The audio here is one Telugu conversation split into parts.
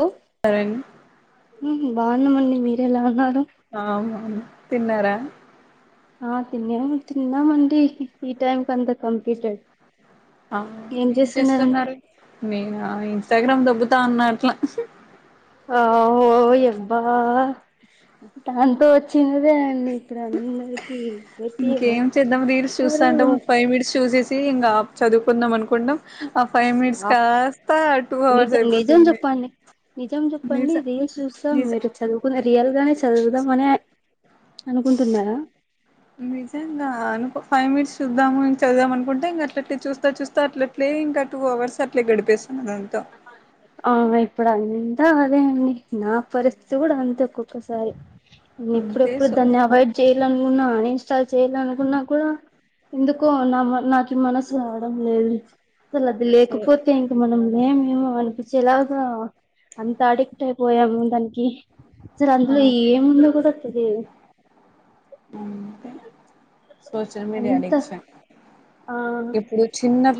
లో అదెం. బాగున్నామండి మీరే ఎలా ఉన్నారు. అవునవును. తిన్నారా. ఆహ్ తిన్నాం తిన్నామండి ఈ టైంకి అంతా కంప్లీటెడ్. ఆ ఏం చేస్తున్నారు నేనా తగినం దొబ్బతా ఉన్న అట్లా ఓఓ ఎబ్బా తన్తో వ చిన్నదేనండి ఇప్పుడు అందరికి పెట్ ఈము ఇంకేం చేద్దాం సి ఇంంగా చదువుకుందాం అనుకుంటాం ఆ ఫైవ్ మినిట్స్ ఆ కాస్త టూ అవర్స్ నిజం నిజం అయిపోతుంది చెప్పండి నిజం నిజ చెప్పండి రీల్స్ చూస్తాం నిజ మీరు చదువుకు రియల్ గానే చదువుదాం అనే నిజేంగా అను ఫైవ్ మినిట్స్ చూద్దాము చదిదాం అనుకుంటే ఇంక అట్లట్లే చూస్తా చూస్తా అట్లట్లే ఇంకా టూ అవర్స్ అట్లే గడిపేస్తున్న దానింతో ఆ ఇప్పుడు అంతా అదే అండి నా పరిస్థితి కూడా అంతే ఒక్కొక్కసారి న ఎప్పుడ అంతే ఎప్పుడు సో దాన్ని అవాయిడ్ చేయ్యాల ఆన్ న్నా అన్ ఇన్స్టాల్ చేయ్యాలనుకున్నా కూడా ఎందుకో నా నాకు మనసు రావడం లేదు అసలు అది సో లేకపోతే ఇంక మనం లేమేం అనిపిస్తుం ఎలాగా అంత అడిక్ట్ అయిపోయాము దానికి సర అందులో ఏముందో కూడా తెలియదు అంతే సోషల్ మీడియా అంత అధిక్టిషన్ ఆ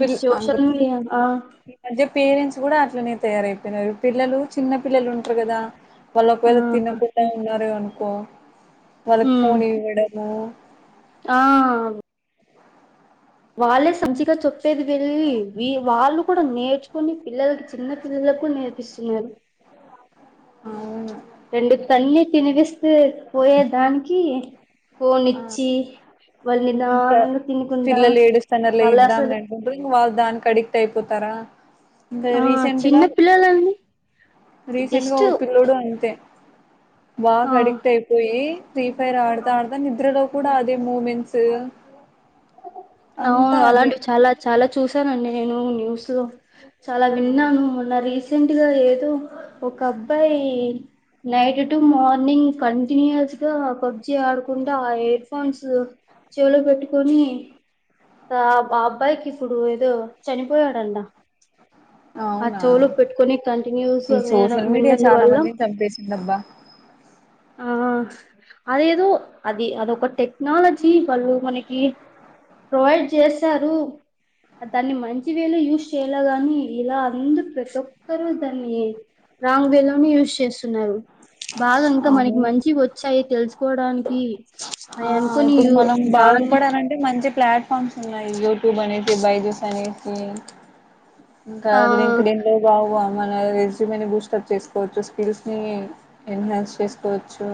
ఈ సోషల్ మీడియా ఆ అదే పేరెంట్స్ కూడా అట్లనే తయారయిపోయినారు పిల్లలు చిన్న పిల్లలు ఉంటారు కదా వాళ్ళ ఆ ఒకవేళ తినకుండా ఉన్నారుార అనుకో వాళ్ళకి ఉమ్ ఫోన్ ఇవ్వడం బ ఆ వాళ్ళే సంచిగా చెప్పేది వెళ్ళి వాళ్ళు కూడా నేర్చుకుొని పిల్లలకి చిన్న పిల్లలకు కూడా నేర్పిస్తున్నారు అవును రెండు తన్ని తినిపిస్ పొయే దానికి ఫోన్ ఆ ఇచ్చి వాళ్ళు ఇంకా నిదానంగా తినకుండా పిల్లలు ఏడుస్తానలా వాళ్ళు ఇద్దాం అసలు అంటంట ఇంకా వాళ్ళు దానికి అడిక్ట్ అయిపోతారా ఇకా ఆ రీసెంట్గా చిన్న పిల్లలండి రీసెంట్ గా జస్ట్ ఒ పిల్లుడు అంతే ఆ బాగా అడిక్ట్ అయిపోయి ఫ్రీ ఫైర్ ఆ ఆడతా ఆడతా నిద్రలో కూడా అదే మూమెంట్స్ స అవును అదే అలాంటివి చాలా చాలా చూసానండి నేను న్యూస్ లో చాలా ఆ విన్నాను మొన్న రీసెంట్ సెంట్ గా ఏదో ఒకబ్బాయి నైట్ టు మార్నింగ్ కంటిన్యూస్ గా పబ్జి ఆడుకుంటా, ఆ ఎయిర్ ఫోన్స్ చేలో పెట్టుకొని ఆ హ్మ్. అబ్బాయికిప్పుడు చనిపోయాడండ అవునా కంటిన్యూస్ గా ఈ వినడం సోషల్ మీడియా విన్నందు చాలా వల్ల మందిని చంపేసిందబ్బా ఆ అదేదో అది అదొక టెక్నాలజీ వాళ్ళు మనకి ప్రొవైడ్ చేశారు, దాన్ని మంచి వేలో యూస్ చేయేలా గాని ఇలా అంద ప్రతి ఒ ఒక్కరు దాన్ని రాంగ్ వే లోనే యూస్ చేస్తున్నారు బాగన్ ఇంకా అవును మనకి మంచివొచ్చాయి తెలుసుకోవడానికి ఆ అని అనుకోని ఇప్పుడు యూ మనం దాన్ని బాగుపడాలంటే మంచి ప్లాట్ఫార్మ్స్ ఉన్నాయి యూట్యూబ్ అనేసి బైజుస్ అనేసి ఇంక ఆ లింకుడిన్లు గావ మన రెజూమ్ని బూస్ట్ అప్ చేసుకోవచ్చు స్కిల్స్ ని ఎన్హాన్స్ చేసుకోవచ్చు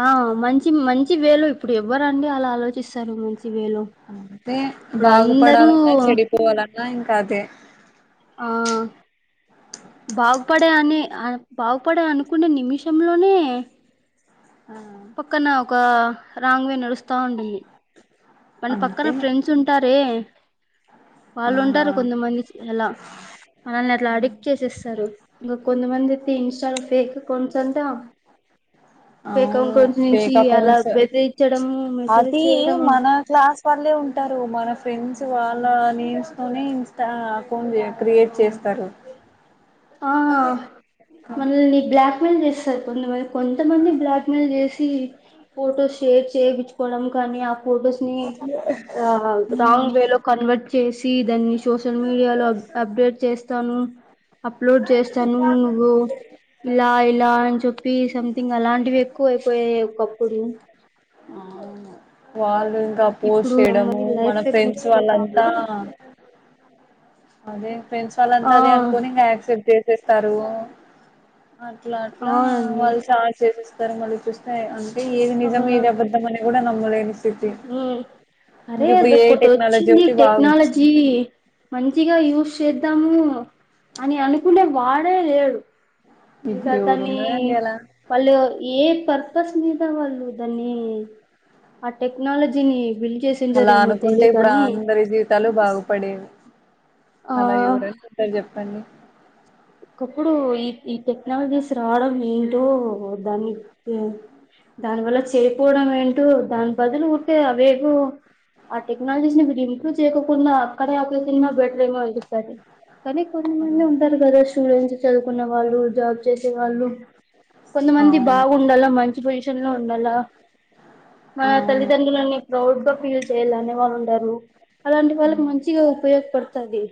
ఆ మంచి మంచి వేలు ఇప్పుడు ఎవ్వరండి అలా ఆలోచిస్తారు వేలో అంటే ఇప్పుడు అందరూ బాగుపడాలన్న చెడిపోవాలన్న ఇలా ఇంకాదే ఆ బాగుపడే అని అ బాగుపడే అనుకునే నిమిషంలోనే ఆ పక్కన ఒక రాంగ్ వే నడుస్తా ఉంటుంది మన పక్కన అంతే ఫ్రెండ్స్ ఉంటారే, ఆ వాళ్ళుంటారు కొందమంది అలా మనల్ని అట్లా అడిక్ట్ చేసేస్తారు. ఇంగ కొంద్ మంది ఇన్ స్టా లో ఫేక్ కౌంట్స్ అంటా ఫేక్ అవును అకౌంట్స్ నుంచి ఫేక్ అలా అకౌంట్స్ బెదిరిచడము మెసేజ్ అది చేయడము మన క్లాస్ వాళ్ళే ఉంటారు, మన ఫ్రెండ్స్ వాళ్ళ నేమ్స్ తోనే ఇన్స్టా అకౌంట్ క్రియేట్ చేస్తారు. ఆ మనల్ని బ్లాక్మెెయిల్ చేస్ తే తుల్లివే కొంతమంది బ్లాక్ మెయిల్ చేసి ఫొటోస్ షేర్ చేయించుకోవడం కానీ ఆ ఫొటోస్ ని రాంగ్ వేలో కన్వర్ట్ చేసి దాన్ని సోషల్ మీడియాలో అబ్ అప్డేట్ చేస్తాను అప్లోడ్ చేస్ చనువు నువు లాయ్ ఇలా అని చెప్పి సంథింగ్ అలాంటివి ఎక్కువ అయిపోయాయి ఒకప్పుడు వాల్ ఇంకా పోస్ట్ ఇప్పుడు చేయడము మళ్ళీ మన లైఫ్ ఫ్రెండ్స్ గుడిచిపోతాము వాళ్ళంతా అదే ప్రన్సిపాల్ ఆ అంతా అదే అనుకొని ఇంగ ఆక్సెప్ట్డ్ చేస్తారు అట్లా అట్లా అవునండి వాళ్ళు చాలా చేసేస్తా క్కడ మళ్ళ చూస్తా ఇగ అే ఏది నిజం ఏది ఆ అబద్ధం అనే కూడా నమ్ అ అరే అది ఏ ఒకటి టెక్నాలజీ వచ్చింది ఒకటి బాగా వచ్చింది టెక్నాలజీ మంచిగా యూస్ చేద్దాము అని అనుకునే వాడే లేడు ఇంకా ఇప్పుడు ఎవరు దాన్ని ఉన్నారండి అలా వాళ్ళు ఏ పర్పస్ మీద వాళ్ళు దాన్ని ఆ టెక్నాలజీని బిల్డ్ అలా చేసింటారేమో అనుకుంటే తెలియదు ఇప్పుడు కానీ అందరి జీవితాలు బాగుపడేవి ఆ అలా ఎవరుషస్తారు చెప్పండి ఒకప్పుడు ఈ ఈ టెక్నాలజీస్ రావడం ఏంటో దాని దాని వల్ల చేయపోవడం ఏంటో దాని బదులు ఉంటే అవేవో ఆ టెక్నాలజీస్ ని మీరు ఇంప్రూవ్ చేయకోకుండా అక్కడే అక్కడ తిన్నా బెటర్ ఏమో సారి కానీ కొంత మంది ఉంటారు కదా స్టూడెంట్స్ చదువుకున్న వాళ్ళు జాబ్ చేసే చాలు కొంతమంది అవునా బాగుండాల మంచి పొజిషన్ లో ఉండాల మన అవును తల్లిదండ్రులని ప్రౌడ్ గా ఫీల్ చేయాల అనే వాళ్ళు ఉండరు అలాంటి వాళ్ళకి హ్మ్. మంచిగా ఉపయోగపడుతుది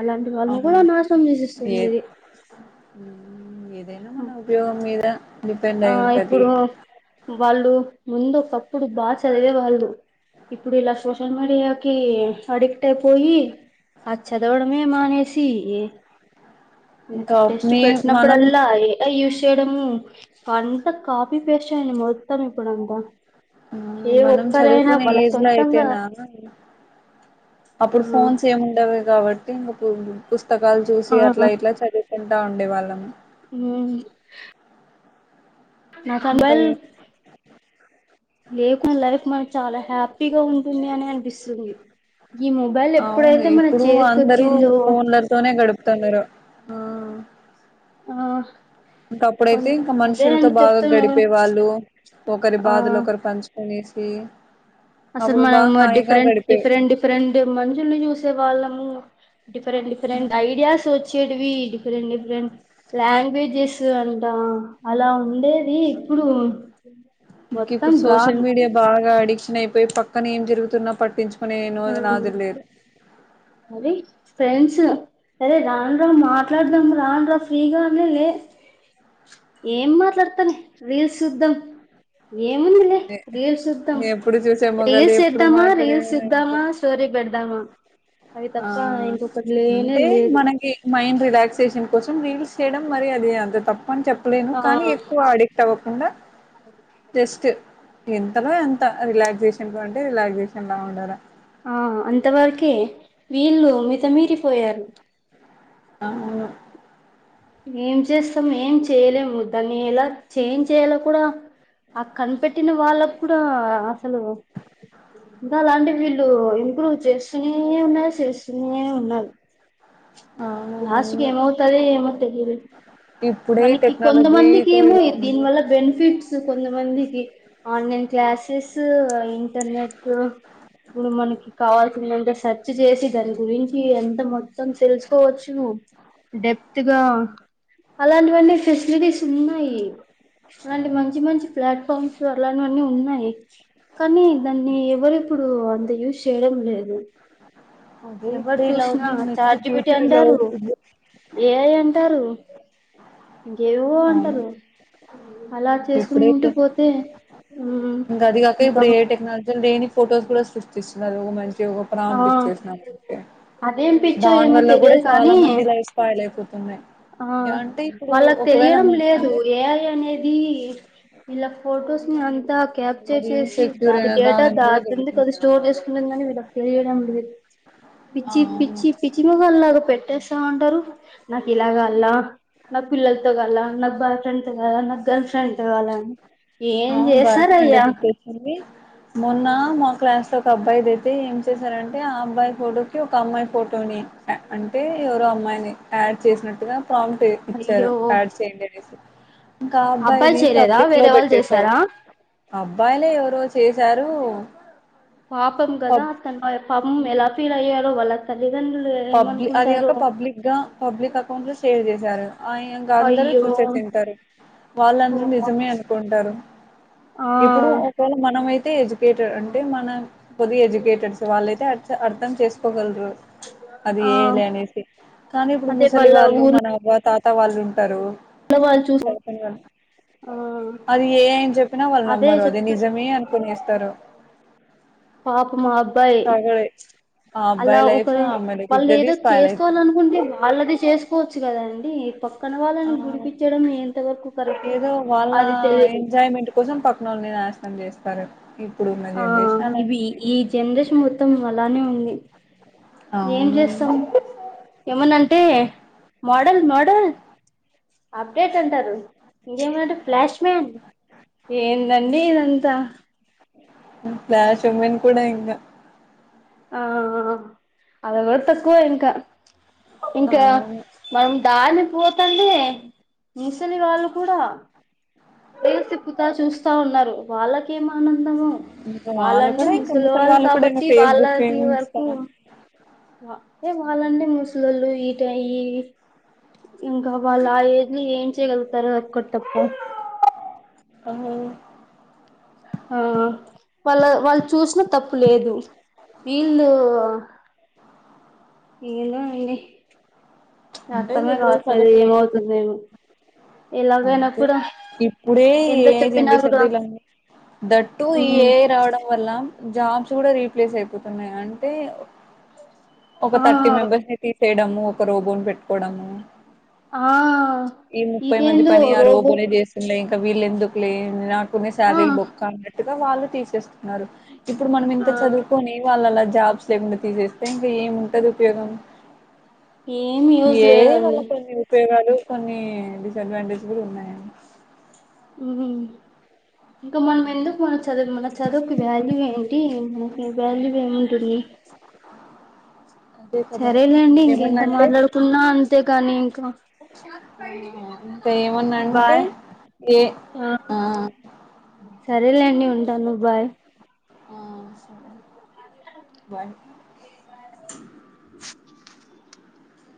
అలాంటి వాళ్ళని కూడా అవును నాశనం చేసిస్తుంది ఏ ఇది హ్మ్. మన ఉపయోగం మీద డిపెండ్ ఆ అయి ఉంటది ఇప్పుడు వాళ్ళు ముందు ఒకప్పుడు బాగా చదివే వాళ్ళు ఇప్పుడు ఇలా సోషల్ మీడియాకి అడిక్ట్ అయిపోయి ఆ చదవడమే మానేసి ఇంకా టెస్ట్ మీ మనం పెట్నప్పుడుల్ అయ చెడము అంత కాపీ పేస్ట్ మొత్తమి ఇప్పుడంతా ఆ ఏ మనం ఒక్కరైనా చదువుకునే వాళ్ళ ఏజ్ లో సొంతంగా అయితేనా ఆ అప్పుడు ఫోన్స్ ఏమిండవి కాబట్టి ఇంక ఓహస్త పుస్తకాలు చూసి ఆ అట్లా ఇట్లా చదువుతుంటా ఉండే వాళ్ళము నా ఇంకా మొబైల్ లేక చాలా హ్యాపి హిగా ఉంటుంది అని అనిపిస్తుంది ఈ మొబైల్ అవును ఎప్పుడైతే మన ఇప్పుడు అందరూ చేతికొచ్చిందో ఫోన్లతోనే గడుపుతున్నారు ఆ ఇంకా అప్పుడైతే కొన్ ఇంకా మనుషులతో అదేనండి బాగా చెప్తున్నాను గడిపే వాళ్ళు ఒకరి ఆ బాధలు ఒకరు పంచుకొని ది అసలు మనం డిఫరెంట్ డిఫరెంట్ డిఫరెంట్ మనుషుల్ని చూసే వాళ్ళము డిఫరెంట్ డిఫరెంట్ ఐడియాస్ వచ్చేటివి రెం డిఫరెంట్ లాంగ్వేజెస్ అంటా అలా ఉండేది ఇప్పుడు ఇంక మొత్తం గా పోయి పక్కన ఏం జరుగుతున్నా పట్టించు కునే ఆ నోధు నాదుడు లేడు అది ఫ్రెండ్స్ అదే రాను రా మాట్లాడదాము రాను రా ఫ్రీగా ఉన్నా లే ఏం మాట్లాడతన్ రీల్స్ చూద్ధం ఏముందిలే ఏ రీల్స్ చూద్దాం ఎప్పుడు చూసే మొగలు రీల్స్ ఎప్పుడు చేద్దామా మాట్లాడే రీల్స్ దాంతో చేద్దామా స్టోరీ పెడదామా అవి ఆ తప్ప ఇంకొకటి లేనే అంటే లేదు మనకి మైండ్ రిలాక్సేషన్ కోసం రీ రీల్స్ చేయడం మరి అదే అంత తప్ పని చెప్పలేను ఆ కానీ ఎక్కువ అడిక్ట్ అవ్వకుండా జస్ట్ ఎంతలో ఎంత రిలాక్సేషన్ లో అంటే రిలాక్సేషన్ లా ఉండాలా ఆ అంతవరకే వీళ్ళు మితమీరిపోయారు అవును ఏం చేస్తాం ఏం చేయలేము దాన్ని ఎలా చేం చేయయాలో కూడా ఆ కనిపెట్టిన వాళ్ళకు కూడా అసలు ఇకాలాంటి వీళ్ళు ఇంప్రూవ్ చేస్ ఫ్రీగా ఉన్న అని చేస్తి ఇంగేమి ఉన్నారు లాస్ట్ కి అవునవును ఏమవుతదో ఏమో ఇప్పుడే ఈ మనకి కొంతమందికి టెక్నాలజీతో ఏమో ఇలా దీని ఉంది వల్ల బెనిఫిట్స్ కొంతమందికి ఆన్లైన్ క్లాసెస్ ఇంటర్నెట్ ఇప్పుడు మనకి కావాల్సిందంత సెర్చ్ చేసి దాని గురించి ఎంత మో తం తెలుసుకోవచ్చు డెప్ ఆ అవును. అలాంటివన్నీ ఫెసిలిటీస్ ఉన్నాయి అలాంటి మంచి మంచి ప్లాట్ఫామ్స్ అలాంటివన్నీ ఉన్నాయి కానీ దాన్ని ఎవరిప్పుడు అంత యూస్ చేయడం లేదు అదే ఎవరు ఇప్పుడే ఇలా చూసినా ఉంది నెక్స్ట్ చాట్ జిపిటి ఫ్యూచర్ ఎలా అంటారు ఉంటుందో ఏఐ అంటారు ఇంకేవో అవును అంటారు అలా చేసుకుంటూ ఇప్పుడైతే పోతే ఉ ఇంకా అది కాక ఇంకా ఇప్పుడు ఏ టెక్నాలజీ లేని ఆ ఆడిట్ చేసినారు అంతే అదేం పిచ్చో దాని ఏమో వల్ల కూడా తెలియదు చాలా కానీ మంది లైఫ్ స్పాయిల్ అయి ఆ వాళ్ళకు ఒకవేళ తెలియడం మన లేదు అంటే ఏఐ అనేది వీళ్ళ ఫొటోస్ ని అంతా క్యాప్చర్ అది చేసి ఇన్సెక్యూర్ దాది అయినా డేటా కాదని కూడా దాందుకు తెలుసు అది స్టోర్ చేసుకుంటుందని వీళ్ళకి తెలియడం [inaudible] ఆ పిచ్చి అవును పిచ్చి పిచ్చి మొగోల్లాగ పెట్టేస్ తమంటారు నాకు ఇలాగాల నాకు పిల్లలతో కాల్ల నాకు బాయ్ ఫ్రెండ్ తో కాల నాకు గర్ల్ ఫ్రెండ్ తో కాల్ల అని ఏం అవును భాష అంటే చేస్తారయ్యా గుర్తొచ్చింది మొన్న మా క్లాస్ లో ఒక అబ్బాయిదైతే ఏం చేశారంటే ఆ అబ్బాయి ఫోటో కి ఒక అమ్మాయి ఫోటోని అంటే ఎవరో అమ్మాయిని యాడ్ చేసినట్టుగా ప్రామ్ట్ ఇచ్చారు అయ్యో బ్యాడ్ చేయండి అనేసి ఇంకా ఆ అబ్బాయి అబ్బాయిది చేయలేదా పబ్లిక్ లో వేరే వాళ్ళు పెట్టేశారు చేసారా అబ్బాయిలే ఎవరో చేశారు పాపం కదా పబ్ అతను [inaudible] పాపం ఎలా ఫీల్ అయ్యారో వాళ్ళ తల్లిదండ్రులు పబ్లి అది కాక ఏమనుకుంటారో పబ్లిక్ గా పబ్లిక్ అకౌంట్ లో షేర్ చేశారు ఆ ఇంక అందరూ అయ్యో చూసేసింటారు వాళ్ళ ఓ [unintelligible] నిజమే అనుకుంటారు ఆ ఇప్పుడు ఒకవేళ మనం అయితే ఎడ్యుకేటెడ్ అన్ ది మన కొద్దిగా ఎడ్యుకేటెడ్స్ వాళ్ళయితే అర్థం చేసుకోగలరు అది ఆ ఏ ఐ లే అనేసి కానీ ఇప్పుడు అదే ముసలి వాళ్ళ వాళ్ళు మన ఊర్లో అవ్వ తాత్ త్త వాళ్ళు ఉంటారు వాళ్ళు చూ సరిపోని వాళ్ళు ఆ అది ఏ ఐ అని చెప్పినా వాళ్ళు నమ్మరు అదే నిజమే అనుకునేస్తారు పాపం ఆ అబ్బాయి ఆ అలా అబ్బాయి ఒక లైఫ్ ఆ ఉమ్ అమ్మాయి లైఫ్ వాళ్ళుది ఇద్దరిది ఏదో స్పాయిల్ అయితది. చేసుకోవాలనుకుంటే వాళ్ళది చేసుకోవచ్చు కదండి ఈ పక్ ఆ కరెక్ట్ ఏదో వాళ్ళ అది తెలియదు ఎంజాయ్మెంట్ కోసం పక్కనోళ్ళని నాశనం చేస్ తర ఆ ఇవి ఈ జనరేషన్ మొత్తం అలానే ఉంది ఏం అవును చేస్తాం ఏమన్నంటే మోడల్ మోడల్ అప్డేట్ అంటారు ఇంకేమంటే ఫ్లాష్ మ్యాన్ ఏందండి ఇదంతా ఫ్లాష్ ఉమ్మెన్ కూడా ఇంగ ఆ అవేవరు తక్కువ ఇంకా ఇంకా అవును మనం దారిన పోతంటే ముసలి వాళ్ళు కూడా పోయేసి ఇప్పుతా చూస్తా ఉన్నారు వాళ్ళకేం ఆనం ఇంకా వాళ్ళు కూడా ఇంకా ముసలి వాళ్ళు కూడా ఏమో ఫేస్బుక్ ఇన్స్టా అంటే వాళ్ళంటే ముసల్లోళ్ళు ఈటై ఈ ఇంకా వాళ్ళు ఆ ఏజ్ ఏం చేయగలుగుతారు ఆ ఒక్కటి తప్ప అమ్మో ఆ వాళ్ళ వాళ్ళు చూసినా తప్పు లేదు వీళ్ళు ఏందో అయింది అంటే ఎప్పుడు [unintelligible] ఎలాగైనా అంతే కూడా ఇప్పుడే ఎంత ఏఐ చెప్పినా జనరేషన్ కూడా ఇలా దట్టు ఈ ఉమ్ ఏఐ రావడం వల్ల జాబ్స్ కూడా రీప్లేస్ అయిపోతున్నాయి అంటే ఒక ఆ థర్టీ మెంబర్స్ ని తీసేయడం ఒక రోబోని పెట్ ట్టుకోడమూ ఆ ఇదేందో పని ఆ రోబో రోబోనే చేస్తుండే ఇంకా వీళ్ళు ఎందుకులే నిదన్ ఉనే ఆ సాలరీలు బొక్క అన్నట్టు వాళ్ళు తీసేస్తున్నారు. ఇప్పుడు మనం ఆ ఇంత చదువుకునే వాళ్ళల జాబ్స్ లేకుండా తీసేస్తే ఇంక ఏముంటంది ఉపయోగం ఏమి యూజ్ ఏఐ వల్ల లేదండి కొన్ని ఉపయోగాలు కొన్ని డిసడ్వాంటేజ్ కూడా ఉన్నాయి అండి ఉమ్ ఇంక మనం ఎందుకు మన చదువు మన చదువుకి వాల్యూ ఏన్ కి మనకి వాల్యూ ఏం ఉంటుంది అదే కదా సరేలేండి ఇంకెంత ఏమన్నంటే మాట్లాడుకున్నా అన్ అంతే కాని ఇంకా ఆ ఇంకా ఏమన్నాంటే బాయ్ ఏ ఆ సరేలేండి ఉంటాను బాయ్ ఆ సరే వన్